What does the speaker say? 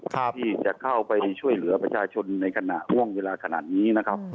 ที่จะเข้าไปช่วยเหลือประชาชนในขณะห่วงเวลาขนาดนี้นะครับ